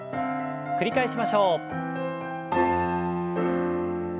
繰り返しましょう。